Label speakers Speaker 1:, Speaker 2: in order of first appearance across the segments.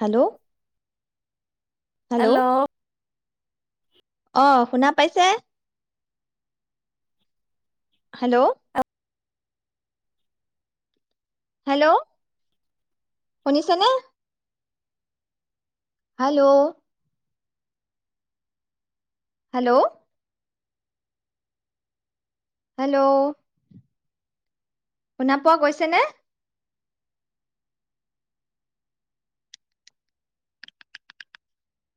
Speaker 1: Hello.
Speaker 2: Hello.
Speaker 1: অ', শুনা পাইছে। হেল্ল'। হেল্ল' শুনিছেনে? হেল্ল'। হেল্ল'। হেল্ল'। শুনা পোৱা গৈছে নে?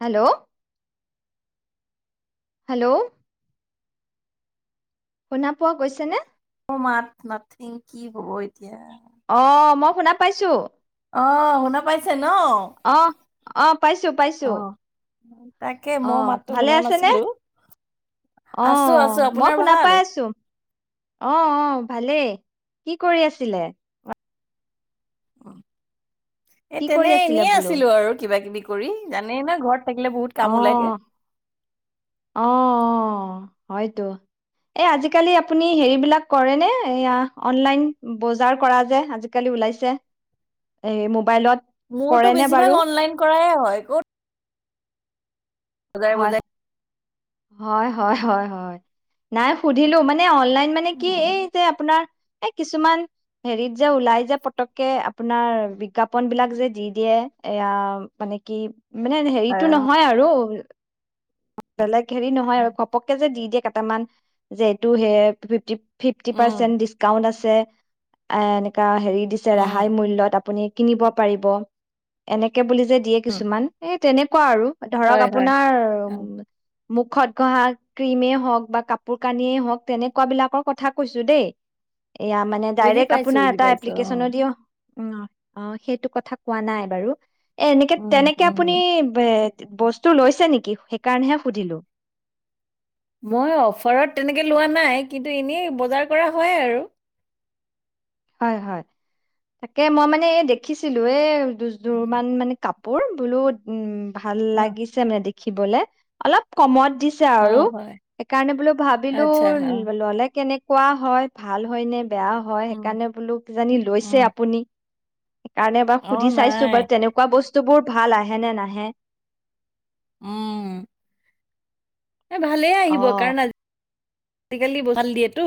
Speaker 1: হেল্ল'। হেল্ল'। শুনা পোৱা গৈছে নে?
Speaker 2: মোৰ মাত নাথিং কি হ'ব এতিয়া?
Speaker 1: অ', মই শুনা পাইছোঁ।
Speaker 2: অ', শুনা পাইছে ন?
Speaker 1: অ', অ', পাইছোঁ-পাইছোঁ,
Speaker 2: অ' তাকে মই
Speaker 1: অ',
Speaker 2: মাতটো
Speaker 1: ভালে
Speaker 2: শুনা
Speaker 1: আছেনে?
Speaker 2: নাছিলো আছো আছো
Speaker 1: অ', মই
Speaker 2: আপোনাৰ
Speaker 1: শুনা
Speaker 2: ভাল?
Speaker 1: পাই আছো অ', অ'। ভালে কি কৰি আছিলে?
Speaker 2: অ'। এ
Speaker 1: কি কৰি আছিলে
Speaker 2: তেনেই-এনেই
Speaker 1: বোলো
Speaker 2: আছিলো আৰু কিবাকিবি ক কৰি জানেই ন' ঘৰত থাকিলে বহুত
Speaker 1: অ
Speaker 2: কাম ওলাইগে।
Speaker 1: অ অ হয়তো, এই আজিকালি আপুনি হেৰি বিলাক কৰে নে এয়া অনলাইন বজাৰ কৰা যে আজিকালি ওলাইছে এই মোবাইলত।
Speaker 2: মোৰত
Speaker 1: কৰেনে বাৰু
Speaker 2: বেছিভাগ অনলাইন কৰায় হয় কুট বজাই
Speaker 1: হয়
Speaker 2: বজাই
Speaker 1: হয়, হয়-হয়-হয় নাই সুধিলো মান এ। অনলাইন মানে কি এই
Speaker 2: উম
Speaker 1: যে আপোনাৰ এ কিছুমান হেৰিত যে ওলাই যে পতককে। আপোনাৰ বিজ্ঞাপন বিলাক যে দি দিয়ে এয়া মানে কি মানে হেৰিতো
Speaker 2: আহ,
Speaker 1: নহয় আৰু বেলেগ হেৰি নহয় আৰু ঘপককে যে দি দিয়ে কাট কেটামান যে এইটো সে ফিফটি ফিফটি
Speaker 2: উম
Speaker 1: পাৰ্চেন্টে ডিছকাউণ্ট আছ আছে, এ এনেকা হেৰি দিছে,
Speaker 2: উম
Speaker 1: ৰেহাই মূল্যত আপুনি কিনিব পাৰিব। এনেকে বুলি য যে দিয়ে
Speaker 2: উম,
Speaker 1: কিছুমান এ তেনেকুৱা আৰু। ধৰক
Speaker 2: হয় হয়
Speaker 1: আপোনাৰ ‌উম
Speaker 2: অ',
Speaker 1: মুখত ঘঁহা ক্ৰীমেই হওঁক বা কাপোৰ কানিয়েই হওঁক তেনেকুৱা বিলাকৰ কথা কৈছো দেই। এয়া, মানে
Speaker 2: বুজি
Speaker 1: ডাইৰেক্ট
Speaker 2: পাইছো
Speaker 1: আপোনাৰ
Speaker 2: বুজি
Speaker 1: এটা
Speaker 2: পাইছো
Speaker 1: এপ্লিকেচনো
Speaker 2: অ'
Speaker 1: দিয়ো। অ', অ' সেইটো কথা কোৱা নাই বাৰু এ
Speaker 2: উম
Speaker 1: এনেকে-তেনেকে
Speaker 2: উম
Speaker 1: আপুনি
Speaker 2: উম।
Speaker 1: বে বস্তু লৈছে নেকি সেক কাৰণহে সুধিলো।
Speaker 2: মই অফাৰত তেনেকে লোৱা নাই। কিন্তু এনেই বজাৰ কৰা হয় আৰু
Speaker 1: হয়, হয় তাকে মই মানে এই দেখিছিলো এ দু-যোৰ মান মানে কাপ কাপোৰ ধুলোঁ, উম। ভাল
Speaker 2: অ
Speaker 1: লাগিছেনে দেখ ৰাখিবলৈ অলপ কমত। দিছা
Speaker 2: অ
Speaker 1: আৰু
Speaker 2: হয়
Speaker 1: সেইকাৰণে বোলো ভাবিলোঁ
Speaker 2: আচ্ছা অ
Speaker 1: ল'লে কেনেকুৱা কোৱা হয় ভাল হয়নে বেয়া হয়।
Speaker 2: উম
Speaker 1: সেইকাৰণে বোলো কিজানি
Speaker 2: উম
Speaker 1: লৈছে আপুনি। সেইকাৰণে এবাৰ
Speaker 2: অ
Speaker 1: সুধি চাইছোঁ
Speaker 2: নাই
Speaker 1: বাত তেনেকুৱা বস্তু বস্তুবোৰ ভাল আহে নে নাহে।
Speaker 2: উম ভালে
Speaker 1: অ
Speaker 2: আহিব কাৰণ আজি। আজিকালি ভাল দিয়েটো।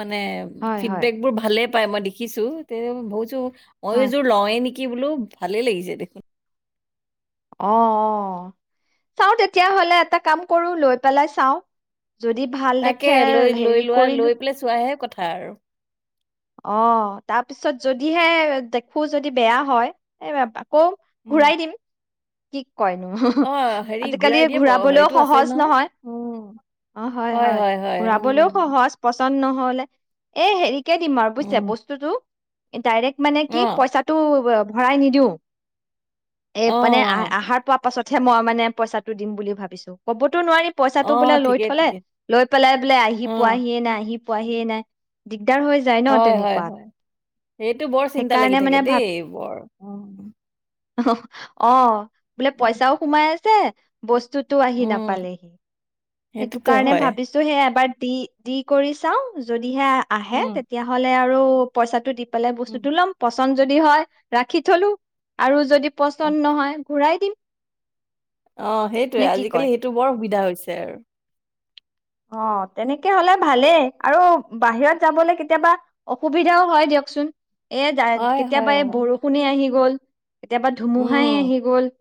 Speaker 2: মানে
Speaker 1: হয় হয়
Speaker 2: ফিডবেকবোৰ ভালে। পায় মই দেখিছোঁ যে বুজোঁ মই
Speaker 1: হয়
Speaker 2: এযোৰ লওেঁই নেকি। কি বোলো ভালে লাগিছে দেখোন।
Speaker 1: অ', অ', চাওঁ তেতিয়াহলে এটা কাম কৰোঁ লৈ পেলাই চাওঁ।
Speaker 2: তাকে লৈ লৈ লোৱা লৈ পেলাই চোৱাহে কথা। বাৰু।
Speaker 1: অ তাৰপিছত যদিহে দেখোঁ যদি বেয়া হয় এ আকৌ
Speaker 2: উম
Speaker 1: ঘূৰাই দিম। কি। কয় ন
Speaker 2: অ হেৰি
Speaker 1: আজিকালি
Speaker 2: ঘূৰাই দিয়া প-
Speaker 1: ঘুৰাবলৈও
Speaker 2: হেৰিটো আছে
Speaker 1: সহজ নহয়
Speaker 2: উম
Speaker 1: অ হয় হয় ঘুৰাবলৈও সহজ বস্তু। ৰিটাৰ্ণ নহ'লে। এই হেৰি কে দিম আৰু বুজিছে
Speaker 2: উম
Speaker 1: বস্তুটো। এ ডাইৰেক্ট। কি মানে
Speaker 2: অ
Speaker 1: পইচাটো অ ভৰাই নিদিওঁ। এ
Speaker 2: অ
Speaker 1: মানে আহাৰ পা। তাৰপাছতহে মই মানে পইচাটো দিম বুলি ভাবিছোঁ হ'বটো। কবটো নোৱাৰি
Speaker 2: অ
Speaker 1: পইচাটো বোলে লৈ
Speaker 2: ঠিকে
Speaker 1: থ'লে,
Speaker 2: ঠিকে
Speaker 1: লৈ পেলাই বোলে আহি
Speaker 2: অ
Speaker 1: পোৱাহিয়ে নাই আহি পোৱাহিয়ে নাই ডিগ-
Speaker 2: হয় হয় হয় সেইটো বৰ চিন্তা লাগি
Speaker 1: সেইকাৰণে
Speaker 2: থাকে
Speaker 1: মানে ভাব
Speaker 2: দেই ব'ৰ।
Speaker 1: [unintelligible] অ'। বোলে
Speaker 2: উম,
Speaker 1: পইচাও সোমাই আছে। চে বস্তুত টো আহি
Speaker 2: উম,
Speaker 1: নাপালেহি, সেইটো
Speaker 2: সেইটোতো
Speaker 1: কাৰণে
Speaker 2: হয়
Speaker 1: ভাবিছো সে এবাৰ দি, দি কৰি চাও যদিহে আ আহে,
Speaker 2: উম,
Speaker 1: তেতিয়াহ'লে আৰু ব্ৰ, পইচাটো দিবি পালে
Speaker 2: উম,
Speaker 1: বস্তুটো লম পচ যদি হয় ৰাখি থলো আৰু যদি পচন্দ নহয় ঘূৰাই দিম,
Speaker 2: অ সেইটোৱে
Speaker 1: নে কি কয়?
Speaker 2: আজিকালি সেইটো বৰ সুবিধা দিগদাৰ হৈছে আৰু।
Speaker 1: অ', তেনেকে হ'লে ভালেই আৰু বাহিৰত যাবলৈ কেতিয়াবা অসুবিধাও হয় দিয়কচোন। এজা,
Speaker 2: হয় হয়
Speaker 1: কেতিয়াবা এই
Speaker 2: হয়
Speaker 1: বৰষুনেই আহি গ'ল। কেতিয়াবা
Speaker 2: উম
Speaker 1: ধুমুহাই আহি গ'ল,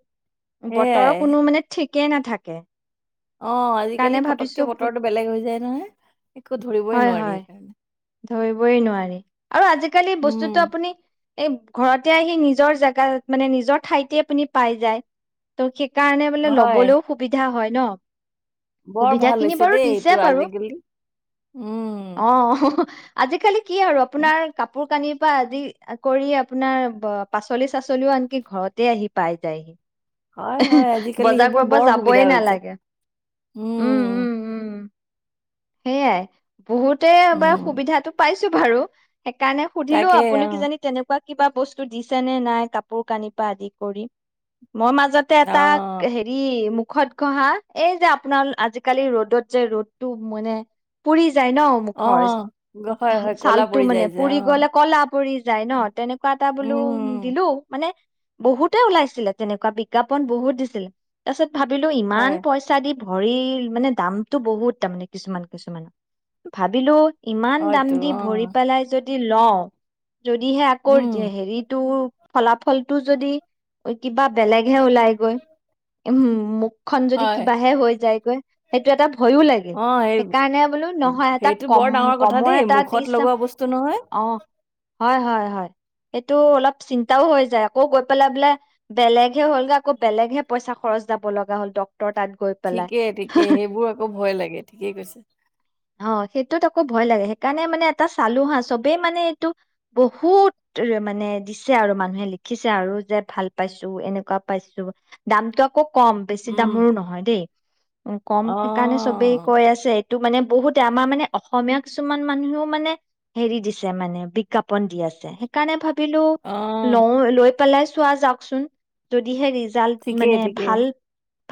Speaker 1: বতৰৰ
Speaker 2: সেয়াই
Speaker 1: কোনো মানে ঠিক একে নাথাকে।
Speaker 2: অ',
Speaker 1: সেইকাৰণে
Speaker 2: আজিকালি পতককে
Speaker 1: ভাবিছো
Speaker 2: বতৰটো বেলেগ হৈ যায় নহয় একো ধৰিবই
Speaker 1: হয়
Speaker 2: নোৱাৰি।
Speaker 1: হয় ধৰিবই নোৱাৰি আৰু আজিকালি বস্তুটো
Speaker 2: উম।
Speaker 1: আপুনি এই ঘৰতে আহি নিজৰ জাগাত মানে নিজৰ ঠাইতে আপুনি পাই যায় ত' সেইকাৰণে বোলে
Speaker 2: হয়
Speaker 1: ল'বলৈও সুবিধা হয়। ন?
Speaker 2: বৰ
Speaker 1: সুবিধা
Speaker 2: ভাল
Speaker 1: খিনি
Speaker 2: হৈছে
Speaker 1: বাৰু
Speaker 2: দেই
Speaker 1: দিছে
Speaker 2: এইটো
Speaker 1: বাৰু
Speaker 2: আজিকালি। উম।
Speaker 1: অ আজিকালি কি আৰু
Speaker 2: উম,
Speaker 1: আপোনাৰ কাপোৰ কানি বা আজি কৰি আপোনাৰ পাচলি চাচলিও আনকি ঘৰতে আহি পাই যায়হি।
Speaker 2: হয় হয়
Speaker 1: [unintelligible]
Speaker 2: আজিকালি
Speaker 1: বজাৰ
Speaker 2: সেইবোৰ
Speaker 1: কৰিব
Speaker 2: বৰ
Speaker 1: যাবই
Speaker 2: সুবিধা হৈছে
Speaker 1: নালাগে, উম, উম, উম। সেইয়াই। বহুতে বা
Speaker 2: উম
Speaker 1: সুবিধাটো পাইছ বাৰো সেইকাৰণে সুধিলো
Speaker 2: তাকে
Speaker 1: আপুনি
Speaker 2: অ
Speaker 1: কিজানি তেনেকুৱা কিবা বস্তু দিছে নে নাই কাপোৰ কানি পা আদি কৰি। মই মাজ তাতে এটা
Speaker 2: অ
Speaker 1: হেৰি মুক খত ঘহা, এই যে আপোনাৰ আজিকালি ৰ'দত যে ৰ'দটো মানে পুৰি যায় ন, মুখৰ,
Speaker 2: অ' গ- হয় হয় ক'লা
Speaker 1: ছালটো
Speaker 2: পৰি
Speaker 1: মানে
Speaker 2: যায় যে
Speaker 1: পুৰি
Speaker 2: অ'
Speaker 1: গ'লে কলা পৰি যায় ন? তেনেক কিবা এটা বোলো
Speaker 2: উম
Speaker 1: দিলোঁ মানে বহুতে ওলাইছিলে তেনেকুৱা বি বিজ্ঞাপন বহুত দিছিল তাৰপিছত ভাবিলো ইমান
Speaker 2: হয়
Speaker 1: পইচা দি ভৰি মানে দামতটো বহুত তাৰমানে কিছুমান কিছুমান ভাবিলো ইমান দাম
Speaker 2: হয়তো
Speaker 1: দি ভৰি
Speaker 2: অ'
Speaker 1: পেলাই যদি দি লওঁ। যদি হে আকৌ
Speaker 2: উম
Speaker 1: যে হেৰিটো ফলাফলটো যদি কিবা বেলেগ সে ওলাই গৈ উমহ। [inaudible] মোক খন যদি
Speaker 2: হয়
Speaker 1: কিবাহে হৈ যায়। [inaudible] সেইটো এটা ভয়ো লাগিল,
Speaker 2: অ' সেই
Speaker 1: সেইকাৰণে বোলো নহয় এটা
Speaker 2: সেইটো
Speaker 1: কম,
Speaker 2: বৰ ডাঙৰ কথা
Speaker 1: কমৰ
Speaker 2: দেই
Speaker 1: এটা
Speaker 2: মুখত
Speaker 1: দিছ'
Speaker 2: লগোৱা বস্তু নহয়
Speaker 1: অ'। হয়, হয়, হয় সেইটো অলপ চিন্তাও হৈ যায় আকৌ গৈ পেলাই বোলে বেলেগ [unintelligible] হ'লেগে আকৌ বেলেহে পইচা খৰচ যাব লগা হ'ল। ডক
Speaker 2: ঠিকে-ঠিকে সেইবোৰ আকৌ ভয় লাগে ঠিকেই কৈছে
Speaker 1: এইটোত আকৌ ভয় লাগে, সেইকাৰণে মানে এটা চালো হা, চবেই মানে এইটো বহুত মানে দিছে আৰু মানুহে লিখিছে আৰু যে ভাল পাইছো এনে [unintelligible] পাইছো দামটো আকৌ কম বেছি
Speaker 2: উম
Speaker 1: দামৰো নহয় দেই, কম সেইকাৰণে চবেই
Speaker 2: অ'
Speaker 1: কৈ আছে টো মানে বহুতে আমাৰ মানে অসমীয়া কিছুমান মানুহেও মানে হেৰি দিছে মানে বিজ্ঞাপন দি আছে সেইকাৰণে ভাব বিলো
Speaker 2: অ'
Speaker 1: লওঁ লৈ- পেলাই চোৱা যাওঁকচোন যদিহে ৰি জাল্ট মানে
Speaker 2: ঠিকেই ঠিকেই
Speaker 1: ভাল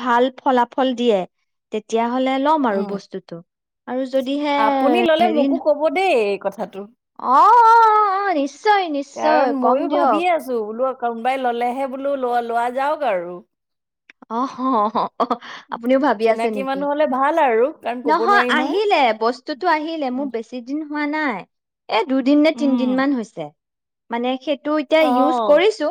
Speaker 1: ভাল ফলাফল দিয়ে তেতিয়া হ'লে লম আৰু
Speaker 2: উম
Speaker 1: বস্তুটো আৰু যদিহে
Speaker 2: আপুনি ল'লে
Speaker 1: হেৰি
Speaker 2: মোকো
Speaker 1: ন
Speaker 2: ক'ব দেই এই কথাটো
Speaker 1: অ' অ', অ', অ', অ', নিচ নিশ্চয় নিশ্চয় কম দিয়ক।
Speaker 2: কোনবাই ল'লেহে বোলো লোৱা লোৱা যাওঁক আৰু
Speaker 1: অ' হ' আপুনিও ভাবি আছে
Speaker 2: চিনাকি
Speaker 1: নেকি!
Speaker 2: মানুহ হ'লে ভাল আৰু কাৰণ ক'ব
Speaker 1: নহয়
Speaker 2: নোৱাৰি
Speaker 1: আহিলে বস্তুতটো আহিলে মোৰ বেছি দিন হোৱা নাই এ দুদিন নে তিনদিনমান হৈছে মানে খেত টো এতিয়া ইউজ কৰিছো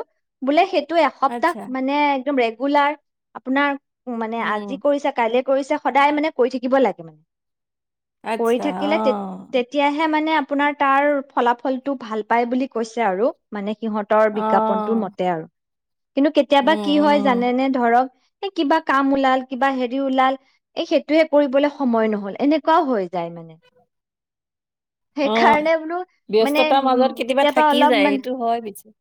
Speaker 1: বোলে সেইট [inaudible] টো এসপ্তাহ মানে, একদম ৰেডি গুলাৰ। আপোনাৰ উম, মানে আজি কৰিছে কাইলৈ কৰিছে সদায় মানে, কৰি থাকিব লাগে মানে। কৰি থাকিলে তে, তেতিয়াহে মানে আপোনাৰ তাৰ ফলাফলটো ভাল পায় বুলি কৈছে আৰু মানে সিহঁতৰ বিজ্ঞাপনটোৰ মতে আৰু কিন্তু, কেতিয়াবা কি হয় জানেনে? কিবা কাম ওলাল কিবা হেৰি ওলাল। এই সেইটোহে কৰিবলৈ সময় নহ'ল, এনেকুৱাও হৈ যায় মানে
Speaker 2: অ,
Speaker 1: সেইকাৰণে বোলো মানে
Speaker 2: ব্যস্ততাৰ
Speaker 1: উম
Speaker 2: মাজত কেতিয়াবা থাকি যায়, সেইটো হয় পিছে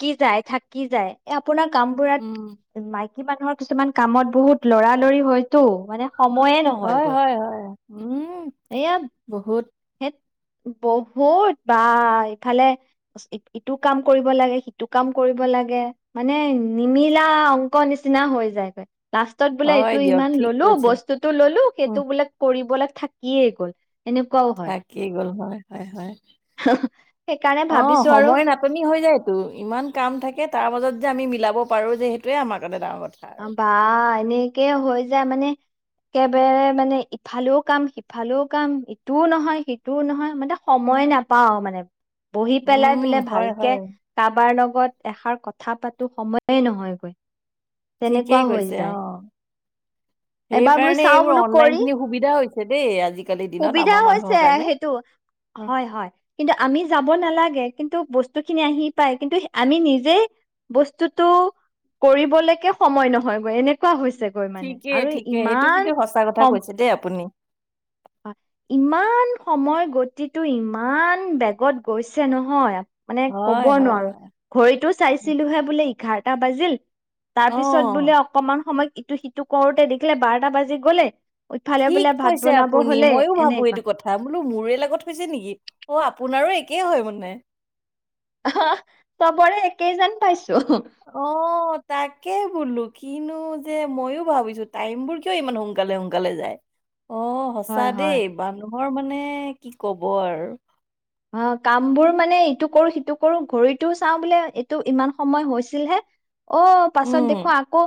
Speaker 1: কি যায়, থাকি যায়। এই আপোনাৰ কামবোৰত
Speaker 2: উম
Speaker 1: মাই কী মানুহৰ কিছুমান কামত বহুত লৰালৰি হয়তো মানে সময়ে নহয়
Speaker 2: হয়,
Speaker 1: গ'ল
Speaker 2: হয়, হয়। উম,
Speaker 1: এয়া
Speaker 2: বহুত
Speaker 1: সেই বহুত, বা ইফালে ইটো কাম কৰিব লাগে। সিটো কাম কৰিব লাগে মানে, নিমিলা অং ক, নিচিনা হৈ যায়গৈ। লাষ্টত বোলে
Speaker 2: হয়
Speaker 1: এইটো
Speaker 2: দিয়ক
Speaker 1: ইমান
Speaker 2: ঠিক
Speaker 1: ললোঁ,
Speaker 2: কৈছে
Speaker 1: বস্তুতটো ললোঁ, সেইটো
Speaker 2: উম
Speaker 1: বোলে কৰিবলৈ থাকিয়ে গ'ল। এনেকুৱাও হয়
Speaker 2: থাকি গ'ল হয়, হয়, হয়।
Speaker 1: সেইকাৰণে
Speaker 2: অহ,
Speaker 1: ভাবিছো আৰু
Speaker 2: সময় নাটনি হৈ যায়গৈ ইমান কাম থাকে তাৰ মাজত যে আমি মিলাব পাৰো, যে সেইটোয়ে আমাৰ কাৰণ ডাঙৰ কথা।
Speaker 1: অ
Speaker 2: আৰু
Speaker 1: বা এনে কে হৈ যায় মানে একেবাৰে মানে ইফালেও কাম, সিফালেও কাম, ইটোও নহয়, সিটোও নহয় মানে সময় নাপাও মানে। বহি পেলাই
Speaker 2: উম
Speaker 1: বোলে
Speaker 2: হয়
Speaker 1: ভালকে
Speaker 2: হয়
Speaker 1: কাৰোবাৰ লগত লগত এষাৰ কথা পাতোঁ সময়েই নহয়গৈ। তেনেকুৱা
Speaker 2: ঠিকেই
Speaker 1: হৈ
Speaker 2: কৈছে
Speaker 1: যায়।
Speaker 2: অ
Speaker 1: এবাৰ বোলো
Speaker 2: সেইকাৰণে
Speaker 1: চাওঁ
Speaker 2: এইবোৰ
Speaker 1: বোলো কৰি।
Speaker 2: অনলাইনখিনি সুবিধা হৈছে দেই আজিকালিৰ দিনত
Speaker 1: সুবিধা
Speaker 2: আমাৰ মানুহৰ
Speaker 1: হৈছে
Speaker 2: কাৰণে।
Speaker 1: সেইটো।
Speaker 2: উম,
Speaker 1: হয়, হয় কিন্তু আমি যাব নালাগে কিন্তু বস্তু খিনি আহি পায়। কিন্তু আমি নিজে বস্তুতটো কৰিবলৈকে সময় নহয় গৈ এনেকুৱা হৈছে
Speaker 2: ঠিকে, ঠিকে সেইটো কিন্তু সঁচা কথা কৈছে দেই আপুনি।
Speaker 1: হয়। ইমান সময় গতিটো ইমান বেগত গৈছে নহয় মানে ক'ব
Speaker 2: হয়, হয়।
Speaker 1: নোৱাৰো। ঘড়ীটো
Speaker 2: হয়।
Speaker 1: চাইছিলোঁ হে বোলে এঘাৰ এটা বাজিল। তাৰ পিছত বোলে
Speaker 2: অ'
Speaker 1: অকণমান সময় ইটো সিটো কৰোতে দেখিলে বাৰটা বাজি গলে ইফালে বোলে ভাত বনাব
Speaker 2: শুনি
Speaker 1: হলে
Speaker 2: মইও ভাবো
Speaker 1: এনেকুৱা
Speaker 2: এইটো কথা বোলো মোৰে লগত হৈছে নেকি, অ আপুনি আৰু একেই হয় মানে
Speaker 1: অ চবৰে একেইজন পাইছো
Speaker 2: অ তাকে বোলো কি কিনো যে মইও ভাবিছো টাইম বোৰ কিয় ইমান সোনকালে-সোনকালে যায়? অ সঁচা
Speaker 1: হয় হয়
Speaker 2: দেই বানু হৰ মানে কি কব আৰু
Speaker 1: অ কাম বোৰ মানে ইটো কৰো সিটো কৰো ঘড়ীটো চাওঁ বোলে এইটো ইমান সময় হৈছিলহে? অ পাছত
Speaker 2: উম,
Speaker 1: দেখো আকৌ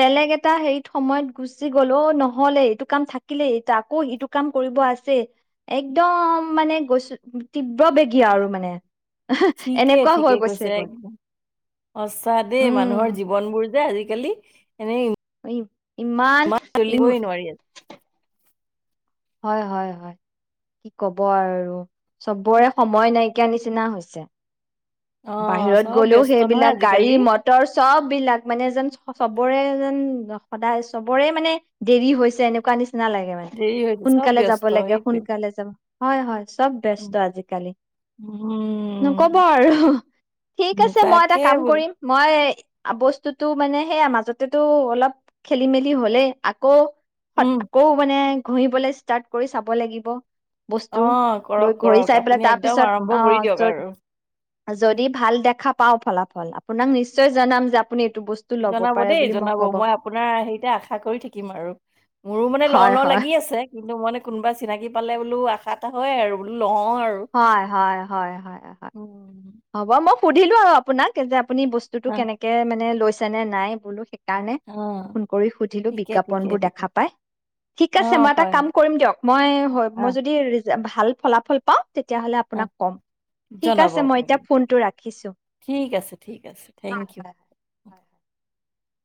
Speaker 1: বেলেগ এটা হেৰিত সময়ত গুচি গল অ। নহলে এইটো কাম থাকিলেই এইটো আকৌ ইটো কাম কৰিব আছে একদম মানে গৈছ
Speaker 2: ঠিকে
Speaker 1: এনেকুৱা হৈ
Speaker 2: ঠিকে কৈছে
Speaker 1: গৈছেগৈ
Speaker 2: সচা দেই
Speaker 1: উম
Speaker 2: মানুহৰ জীৱন বোৰ যে আজিকালি এনেই। ইমান
Speaker 1: [unintelligible] ইমাল ইম
Speaker 2: চলিবই নোৱাৰি
Speaker 1: হয়-হয়-হয়, কি কব আৰু? চবৰে সময় নাই কিয়া নিচিনা হৈছে
Speaker 2: অ
Speaker 1: বাহিৰত
Speaker 2: চব
Speaker 1: গ'লেও
Speaker 2: ব্যস্ত নহয়
Speaker 1: সেইবিলাক গাড়ী
Speaker 2: আজিকালি
Speaker 1: মটৰ চব বিলাক মানে এ যেন চবৰে যেন সদায় চবৰে মানে দেৰি হৈছে এনেকুৱা নিচিনা নালাগে মানে।
Speaker 2: দেৰি হৈছে চব
Speaker 1: সোনকালে যাব
Speaker 2: ব্যস্ত
Speaker 1: লাগে,
Speaker 2: সেইটোৱে
Speaker 1: সোনকালে যাব হয়, হয়। চব ব্যস্ত
Speaker 2: উম
Speaker 1: আজিকালি। নকব
Speaker 2: উম,
Speaker 1: আৰু, ঠিক আছে মই এটা
Speaker 2: তাকে
Speaker 1: কাম
Speaker 2: বোলো
Speaker 1: কৰিম মই বস্তুতো মানে সেয়া মাজতেতো অলপ খেলি মেলি হলেই। আকৌ
Speaker 2: উম
Speaker 1: আকৌ মানে ঘহিবলে ষ্টাৰ্ট কৰি চাব লাগিব। বস্তু
Speaker 2: অ'
Speaker 1: লৈ
Speaker 2: কৰক,
Speaker 1: ঘঁহি
Speaker 2: কৰক।
Speaker 1: চাই পেলাই
Speaker 2: আপুনি
Speaker 1: তাৰ
Speaker 2: একদম
Speaker 1: পিছত
Speaker 2: আৰম্ভ কৰি দিয়ক
Speaker 1: অ
Speaker 2: আৰু।
Speaker 1: যদি ভাল দেখা পাও ফলাফল। আপোনাক নিশ্চয় জনাম যে আপুনি এইটো বস্তু ল'ব
Speaker 2: জনাব
Speaker 1: পাৰে
Speaker 2: দেই
Speaker 1: বুলি
Speaker 2: জনাব
Speaker 1: ক'ব
Speaker 2: মই আপোনাৰ হেৰিতে আশা কৰি থাকিম আৰু মোৰো মানে ল
Speaker 1: হয়
Speaker 2: লওঁ
Speaker 1: হয়
Speaker 2: লাগি আছে। কিন্তু মইে কোনোবা চিনাকি পালে বোলো আশা এটা হয় আৰু বোলো লওঁ আৰু
Speaker 1: হ'য়, হ'য়, হ'য়, হ'য়, হ'য়।
Speaker 2: উম
Speaker 1: হ'ব মই সুধিলো আৰু আপোনাক যে আপুনি বস্তুটো
Speaker 2: অ
Speaker 1: কেনেকে মানে লৈছ ছেনে নাই বুলু সিক কাৰণে
Speaker 2: অ
Speaker 1: ফোন কৰি সুধিলোঁ,
Speaker 2: ঠিকে ঠিকে
Speaker 1: বিজ্ঞাপনবোৰ
Speaker 2: ঠিকে
Speaker 1: দেখা পাই। ঠিক
Speaker 2: অ
Speaker 1: আছে, মই এটা
Speaker 2: হয়
Speaker 1: কাম
Speaker 2: হয়
Speaker 1: কৰিম দিয়ক। মই, হয়
Speaker 2: অ
Speaker 1: মই যদি ৰিজ যে ভাল ফলাফল পাওঁ তেতিয়াহ'লে
Speaker 2: অ
Speaker 1: আপোনাক কম। ঠিক
Speaker 2: জনাব
Speaker 1: আছে, মই
Speaker 2: আপুনি
Speaker 1: এতিয়া
Speaker 2: মোক
Speaker 1: ফোনটো ৰাখিছু।
Speaker 2: ঠিক আছে ঠিক আছে থেংক
Speaker 1: হ'য়,
Speaker 2: ইউ
Speaker 1: হ'য়, হ'য়‌, হ'য়, হ'য়।